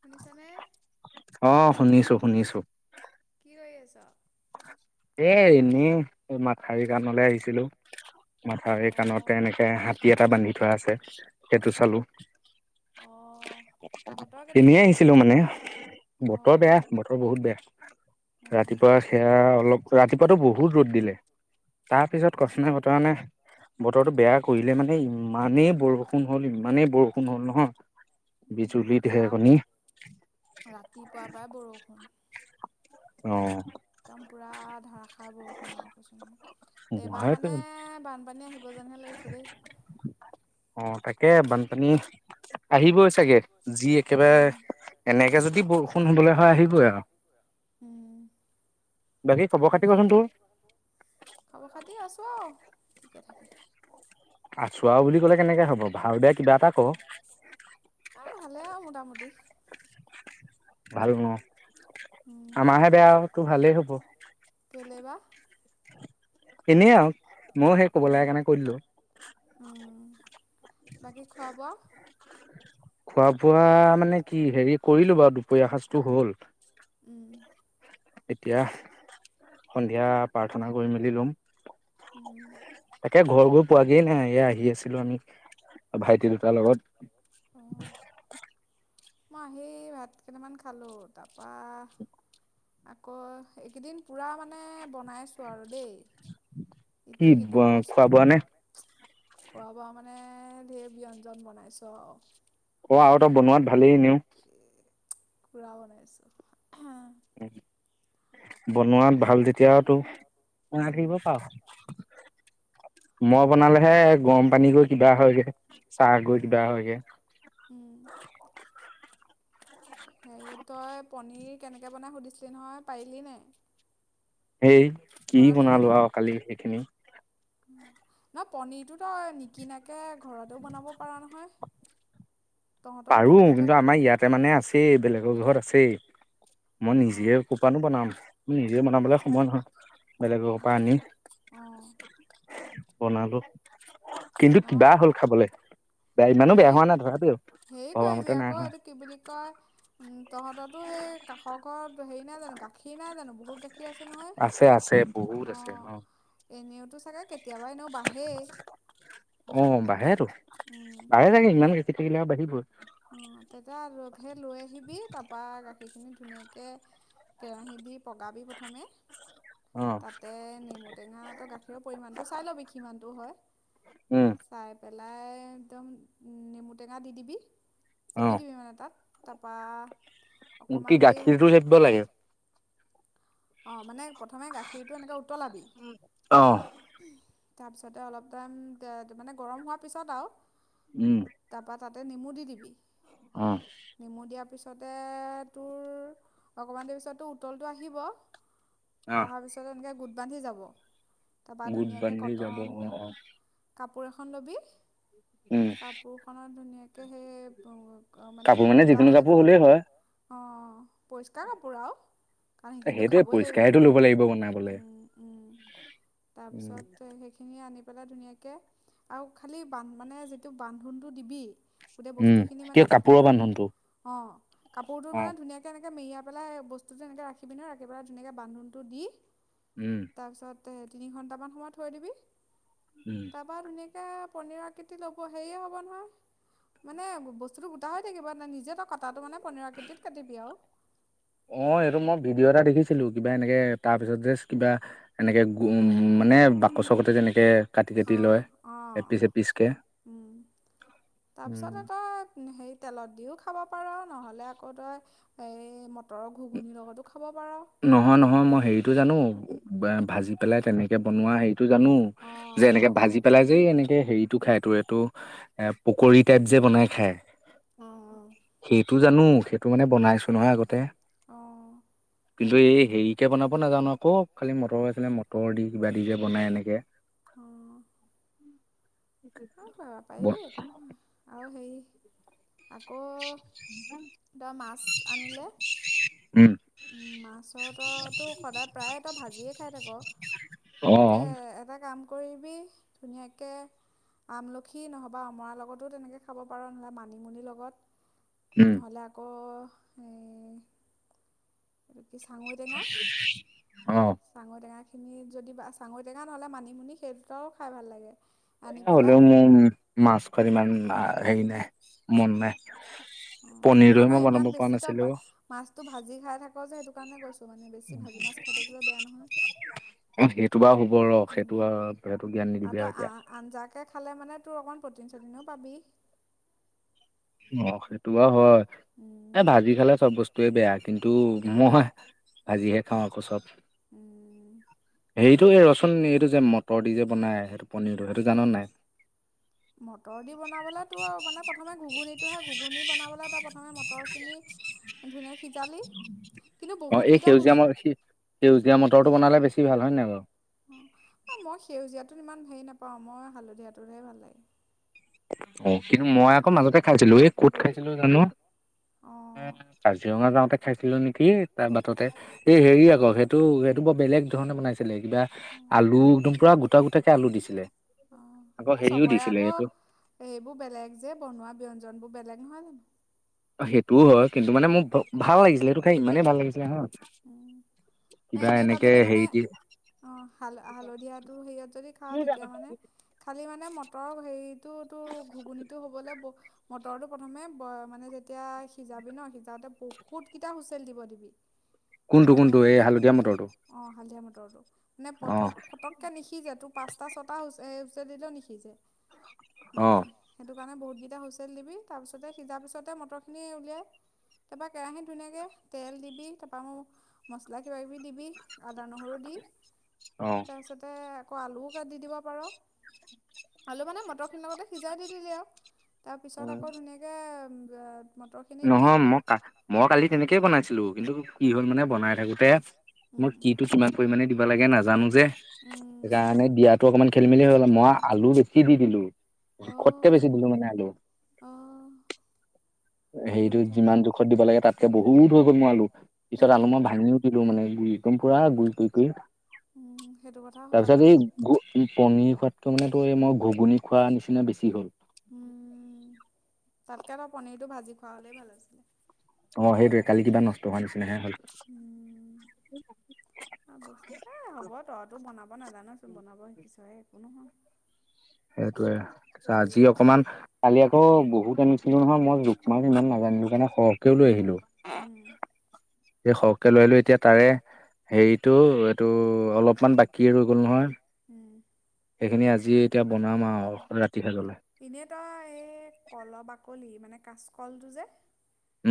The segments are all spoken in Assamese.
শুনিছ নে? অ শুনিছো শুনিছো। কি কৰি আছ? এ এনেই এই মাথাউৰি কাণলে আহিছিলো, মাথাউাৰৰি কাণতে অঁ এনেকে হাতী এটা বান্ধি থোৱা আছে সেইটো চালো। অঁ বতৰ এনেয় কেনেকুৱা আহিছিলো মানে বতৰ অঁ বেয়া বতৰ বহুত বেয়া, অঁ ৰাতিপুৱা সেয়া অলপ ৰাতিপোৱাতো বহুত ৰ'দ দিলে তাৰপিছত অঁ কথা নাই বতৰা নাই বতৰটো বেয়া কৰিলে মানে ইমানেই বৰষুণ হ'ল ইমানেই বৰষুণ হ'ল নহয় উ বিজুলী ঢেৰেকণি ইয়াত ৰাতিপুৱা পৰাই বৰষুণ। অ একদম পুৰা ধাৰষাৰ বৰষুণ আৰু কৈছো নহয়। এইবাৰ সেইটো মানে বানপানী আহিব যোনহে লাগিছে দেই অঁ তাকে বানপানী আহিবই চাগে যি একেবাৰে উম, এনেকে যদি বৰষু ণ হবলৈ হয়, আহি উম বাকী খবৰ খাতি বাকী কচোন তোৰ ভাল খবৰ খাতি আছো আৰু ঠিকে থাকে আছো আও বুলি কলে কেনেকে হব ভাল বেয়া কিবা এটা ক আৰু ভালে আৰু মোটামুটি ভাল ন আমাৰহে বেয়া আও তোৰ ভালেই হ'ব কেলেই বা এনে আও ময়ো সেই কব লাগে কাৰণে কৈ দিলো উম, বাকী খোৱা বোৱা [unintelligible] খোৱা বোৱা মানে কি হেৰি কৰিলো বাৰু দুপৰীয়া সজটো হ'ল উম। এতিয়া সন্ধিয়া প্ৰাৰ্থনা কৰি মেলি লম। মই তাকে ঘৰবোৰ পোৱাগেই নাই এ আহি আছিলো আমি। ভাইটি দুটাৰ লগত। অঁ মই সেই ভাত কেইটামান খালো তাৰপৰা আকৌ এইকেইদিন পুৰা মানে বনাইছোঁ আৰু দেই কি ইটো সিটো খোৱা বস্তু বোৱা নে খোৱা বোৱা মানে ঢেৰ ব্যয়ঞ্জন বনাইছো আৰু অঁ আৰু তই বনোৱাত ভালেই এনিওঁ।। কৰা বনাইছো। বনোৱাত ভাল যেতিয়া। ত ক থাকিব পাওঁ ম' বনালেহে গৰম পানী গৈ কিবা হয়গে চাহ গৈ কিবা হয়গৈ হেৰিয় তই পনীৰ কেনেকে বনাই সুধিছিলি নহয় পাৰিলি নে সেই কি বনালি বনালো আৰু কালি সেইখিনি নহ পনিৰটোতো নিকিনাকে ঘৰতওঁ বনাব পাৰা নহয় তহঁতৰতো পাৰো কেলৈ কিন্তু আমাৰ ইয়াতে মানে আছেই বেলেগৰ ঘৰত আছেই মই নিজে অঁ কপানো বনাম নিজে অঁ বনাবলৈ সময় নহয় বেলেগৰ অঁ পৰা আনি অঁ বনালো কিন্তু কিবা নহয় হ'ল খাবলৈ বেয়া ইমানো বেয়া হোৱা নাই ধৰাবিআৰু কি আকৌ আৰু কি বুলি কয় উ তহঁতো সেই কাষৰ ঘৰত হেই নাই জানো গাখীৰ নাই জানো ব মুৰ্গে নহয় আছে আছে বহুত অ আছে এনেওতো চাগে কেতিয়াবা এ ন বাঢ়েই অ বাহেটো উম, ভালে লাগে ইমানকে চিকিল থাকিলে বাকী? অঁ তেতিয়া লগ সেই লৈ আহিবি তাৰপৰা গাখীৰখিনি ধুনীয়াকৈ কেৰাহী দি পগাবি প্ৰথমে অ তাতে নেমু টেঙা তই গাখীৰৰ পৰিমমানটো চাই ল'বি কিমানতটো হয় উম চাহ একাপ পেলাই একদম নেমুটেঙা দি দিবি অ চেপি দ বিমান এ তাত তাপা কি গাখীৰটো হেপিব লাগে? অ মানে' প্ৰথমে গাখীৰটো এনেকে উতলাবি। অ তাৰপিছতে অলপ টাইম মানে, গৰম হোৱাৰ পিছত আৰু। উম! তাৰপৰা তাতে নেমু দি দিবি। অ নেমু দিয়াৰ পিছত। এই তোৰ অকণমান দেৰি পিছত তোৰ উতলটো আহিব। অ অহাৰ পিছত এনেকে গোট বান্ধি যাব। তাৰপৰা গোট ধুনীয়াকৈ বান্ধি যাব কটন অ' অ'। কাপোৰ এখন ল'বি। উম কাপোৰ খনত ধুনীয়াকে সেই, মানে কাপোৰ গোটা যিকোনো হৈয়ে কাপোৰ যাব। হ'লেই হয় অঁ পৰিষ্কাৰ কাপোৰ আৰু। কাৰণ সেইখিনিটো সেইটোৱে বয়ে লাগিব ন, পৰিষ্কাৰেতো ল'ব লাগিব বনাবলে অ', উম তাৰপিছত সেইখিনি আনি পেলাই ধুনীয়াকে, আৰু খালি মানে যিটো বান্ধোনতটো দিবি। গোটেই উম, বস্তু খিনি মানে, কিয় কাপোৰৰ কাপোৰটো, এনেকে, বান্ধোনটো। অ কাপোৰটো মানে অ', ধুনীয়াকে এনেকে মেৰিয়া পেলাই বস্তুযে এনেক ৰাখিবি নহয় বাৰে ধুনিয়াকে বান্ধোনটো দি উম, তাৰপিছত তাতে তিনি ঘন্টামান সময়ত থৈ দিবি। উম, তাৰপৰা তুমি তাকে পনীৰ আকৃতি ল'ব, হেৰিয়ে হ'ব নহয়, মানে, বস্তুটো গোটা হৈ থাকিব। নিজেত কটাটো মানে পনীৰ আকৃতিত কাটিবি আৰু। অ' এইটো মই ভিডিঅ' এটা দেখিছিলোঁ, কিবা এনেকে, তাৰপিছতে যে কিবা এনেকে, মানে বাকচ গতে যে এনেকে অ'! অ'! উম! তাৰপিছতেই উম। তই হেৰি, তেলত দিও খাব পাৰ, নহলে আকৌ তই মতৰৰ ঘুগুনি লগত খা নহয়, নহয় মই হেৰিটো জানোঁ। ভাজি পেলাই তেনেকে বনোৱা হেৰি এইটো জানোঁ, অ যে অ এনেকে ভাজি ঘৰত পেলাই যে এনেকে হেৰিতো টো খাই তোৰ এইটো, এ পকৰী টাইপ যে বনাই খায় অ সেইটো। সেইটো জানোঁ! সেইটো মানে বনাইছোঁ নহয় আগতে। অ'হ! কিন্তু এই হেৰিকে বনাব নাজানোঁ আক। খালি অ মটৰ আছিলে মটৰ দি কিবা দি যে বনাই এনেকে অ অ পা পাৰিবি একো নহয়, আৰু সেই [unintelligible] আকৌ তই মাছ আনিলে উম, মাছ তইতো সদায় প্ৰায় তই ভাজিয়ে খাই থাক। অ তাতকে এটা কাম কৰিবি ধুনীয়াকে আমলখি নহ'বা অমৰাৰ লগতো তেনেকে খাব পাৰ নহ'লে মানিমুনিৰ উম লগত। নহ'লে আকৌ এই স [unintelligible] চাঙৈ টেঙা, অ চাঙৈ টেঙা খিনি যদি বা টেঙা নহ'লে মানিমুনি সেই দুটাও খাই ভাল লাগে। আনি এ পেলাই হ'লেও মোৰ মাছ খোৱাত ইমান হেৰি নাই, মন নাই অঁ পনীৰোহে মই বনাব পৰা নাছিলো। তো ভাজি খাই থাক যে সেইটো কাৰণে কৈছো। সেইটো বাও হব ৰ, সেইটো উম। আও সেইটো জ্ঞান আৰু নিদিবি আও তই এতিয়া আঞ্জাকৈ খালে মানে তোৰ অকণ প্ৰটিন চটিনো পাবি অ সেইটো বাও হয়। উম এ ভাজি খালে চব বস্তুৱে বেয়া কিন্তু, দু মই আজিহে খাঁও আক চব উম [unintelligible] হেইৰিটো এই ৰচুন এইটো যে মটৰ দি যে বনাই সেইটো পনিৰ দৰে সেইটো জান নাই? মটৰ দি বনাবলে তো আও মানে প্ৰথমে ঘূগুনীতোহে ঘূগুনী বনাবলৈ তাপা মটৰ খিন ধুনীয়াকে অ এই হুচ সেউজীয়া ম সেউজীয়া মটৰটো বনালে বেছি ভাল হয় নাই বাৰু? অ মই সেউজীয়াত ইমান হেৰি নাপাওঁ মই হালধীয়াটোহে ভাল লাগে। অ কিন্তু মই আকৌ মাজতে খাইছিলো। এই ক'ত খাইছিলো জানো, অঁ কাজিৰঙা যাওঁতে খাইছিলো নেকি, তাৰ বাটতে এই হেৰি আকৌ সেইটো সেইটো বৰ বেলেগ ধৰণে বনাইছিল। ছিলে কিবা অঁ আলু টুৰা গোটা গোটাকে আলু দিছিলে, অঁ আকৌ এই হেৰিও চবৰে দিছিলে আকৌ এইটো এইবোৰ বেলেগ যে বনোৱা ব ব্যঞ্জন বোৰ বেলেগ নহয় জানো? সেইটোও নহয় কিছুমানে মোক ভাল লাগিছিলে সেইটো সেই ইমানে ভাল লাগিছে নহয়, অ এনেই তাত যদি মানে হেৰি দি হালধীয়াটো, হেৰিয়াত যদি খাও তেতিয়া মানে খালি মানে মটৰ হেৰিটো তোৰ ঘুগুনিটো হবলৈ বহুত। মটৰটো প্ৰথমে মানে যেতিয়া সিজাবি ন সিজাতে বহুতকেইটা হুইচেল দিব দিবি। কোনটো কোনটো এই হালধীয়া মটৰটো। [unintelligible] নে অ পথক ফটককে নিহিজে তোৰ পাঁচটা ছটা হৈছে। [unintelligible] দিলেও নিহিজে। অ মানে সেইটো বহুতকেইটা হুইেল দিবি তাৰপিছতে সিজা পিছতে মটৰ খিনি উলিয়াই তাৰপা কেৰাহীত ধুনীয়াকে তেল দিবি। উম মছলা কিবা কিবি দিবি। আদা নহৰু দি অ তাৰপিছতে অৱ আলুও কাটি দিব পাৰব। আলু মানে মটৰ খিনিৰ লগতে সিজাই দি দিবি আওঁ। তাৰ পিছত আকৌ ধুনীয়াকে। [unintelligible] নহয় মই ক মই কালি তেনেকেই বনাইছিলো কিন্তু। কি হ'ল মানে বনাই থাকোতে। মই কিটো কিমান পৰিমে দিবি। কব লাগে নাজানো যে। সেইকাৰণে দিয়াতো অকণমান খেলি মেলি হৈ গ'ল মই আলু বেছি দি দিলো জোখতকে অঁ বেছি দিলো মানে আলু। অঁ সেইটো হেৰিটো কথা যিমান জোখত দিব লাগে তাতকে বহুত হৈ গৈ মো আলু পিছত আলু মই উম, ভাঙিও দিলো মানে পুৰা গুৰি কৰি কৰি। সেইটো কথা হ'ল আকৌ। তাৰপিছত এই পনীৰ খু ত মানে তই এই মই ঘুগুনি। খোৱা নিচিনা বেছি হ'ল তাতকে ত পনীৰটো ভাজি খোৱা হলেই ভাল হৈছিলে অ সেইটোৱে কালি কিবা নষ্ট হোৱা নি উ বস্তু এ হ'ব তহতো বনাব নাজানোচোন বনাব শিকিছহে। একো নহয় সেইটো য়ে ত আজি অক অকমান কালি আকৌ বহুত আনিছিলো নহয় মই। ৰূপমা ইমান নাজানিল কাৰণে সৰহকেও লৈ আহিলো উম, সেই সহ লৈ এতিয়া তাৰে হেৰিতটো ত এইটো অলপ অকমান বাকী ৰৈ গ'ল নহয় উম। সেইখিনি আজি এতিয়া বনাম আৰু ৰাতি সাজলে এনেই তই এই কল বাকলি মানে। কাচকলটো যে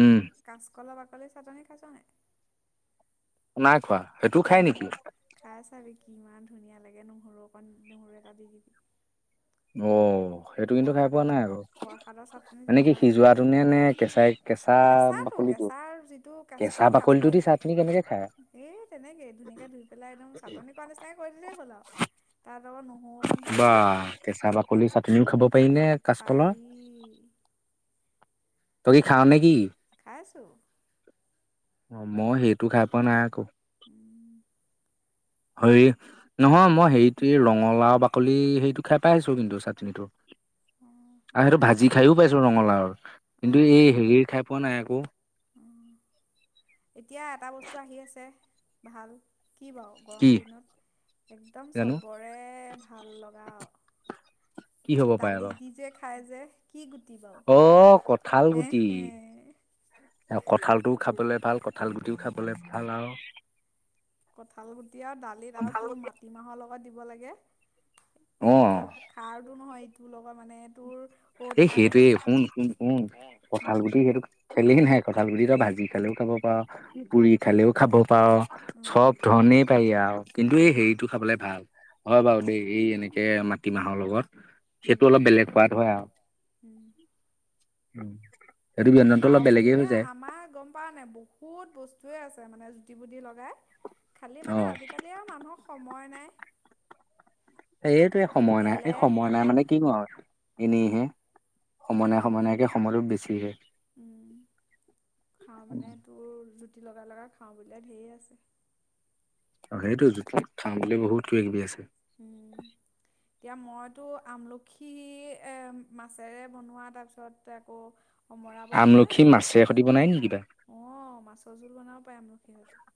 উম কাচকলপ [unintelligible] নাই খোৱা সেইটো খাই নেকি খাই চাবি কিমান ধুনীয়া লাগে নহৰু অকণ নহৰু এটা দি দিবি অ সেইটো কিন্তু খাই পোৱা প্ৰসাদৰ নাই আকৌ প্ৰসাদৰ চাটনি মানে কি যেনেকুৱা লাগে তেনে সিজোৱাটো নে নে কেঁচাই কেঁচা কেঁচাটো বাকলিটো কেঁচাৰ যিটো কেঁচা কাচকল বাকলিটো দি কাচকলটো চাটনি কেনেকে খাই এ তেনেকে ধুনীয়াকে ধুই পেলাই একদম চাটনি কৰা নিচিনে কৰি দিলেই হ'ল আৰু তাত আকৌ নহৰু অকণ দি বা দিবি কেঁচা বাকলি চাতনি খাব পাইনে কাচকলৰ পাৰি ত কি খওঁ নেকি? আছোঁ অ মই সেইটো খাই পোৱা নাই আকৌ হ নহয় মই হেৰিটো ৰঙালাউ বাকলি হেইটো। খাই পাই আহিছো কিন্তু চাটনিটো আৰু অঁ সেইটো ভাজি ৰঙালাও খাইও পাইছো ৰঙালাউ কিন্তু অঁ এই হেৰিৰ খাই পোৱা নাই আক এতিয়া এটা বস্তু আহি আছে ভাল কি বাৰ গৰম দিনত একদম জানো চবৰে ভাল লগা আৰু কি হ'ব পাৰে বাৰু দালিত দি যে খাই যে কি গুটি বাৰু অ কঠাল হে গুটি হে কঠালটোও খাবলৈ ভাল কঠাল গুটিও খাব ক'লে ভাল আৰু কঠাল গুটি আৰু দালিত আৰু তোৰ মাটিমাহৰ লগত দিব লাগে এ অ খাৰটো নহয় এইটো লগত মানে তোৰ এই ঔটেঙা দি সেইটোৱে যে শুন শুন শুন উম কঁঠাল গুটি সেইটো খেলি নাই কঁঠাল গুট ত ভাজি খালেও খাব পা পুৰি খালেও খাব পাও উম চব ধৰণেই পাৰি আৰু কিন্তু এই উম হেৰিটো খাবলৈ ভাল হয় বাৰু দেই এই এনেকে মাটিমাহৰ লগত সেইটো উম অলপ বেলেগ হোৱাত হয় আৰু উম উম খাও বুলিলে আমাৰ গম পোৱা নাই বহু বস্তুৱে আছে। মানে জুতি বুতি লগাই খালি অ মানে আজিকালি আৰু মানুহৰ সময়। নাই এইটোৱে সময় নাই এই এলেহ সময় নাই এলাহ মানে কি কৰো আৰু এনেহে সময় নাই উম সময় নাইকে সময়ো বেছিহে উম ৰুটি লগাই লগাই খাওঁ বুলে ধেৰী আছে। অ সেইটোতো খাম বুলি বহুত কিবা কিবি আছে উম এতিয়া মইতো আমলখি এ মাছেৰে বনোৱা তাৰপিছত আকৌ। অমৰা বনোৱাই আমলখি এই মাছে সতি বনাই নেকি কিবা অ মাছৰ জোল বনাব পাৰে ম সাকহঁতে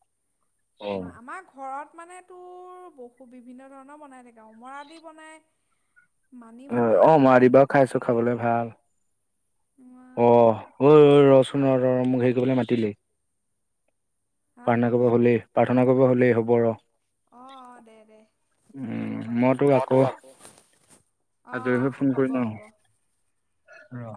অ আমাৰ ঘৰত মানে তোৰ বহু বিভিন্ন ধৰণৰ বনাই থাকে অমৰাদি বনাই অ অমৰাদি বা খাইছো খাবলৈ ভাল। ইমান- অ ৰ চোন ৰ ৰ মোক হেৰি কৰিবলৈ মাতিলেই হা পৰ্থনা কৰিব হলে। প্ৰাৰ্থনা কৰিব হ'লেই হ'ব ৰ অ অ দে দে হ'ব উম মই তোক আকৌ বাৰু অ অ হ'ব হ'ব অ